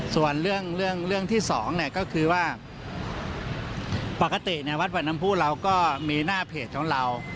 ส่วนเรื่องที่สองเนี่ยก็คือว่าปกติในวัดวันน้ำผู้เราก็มีหน้าเพจของเรา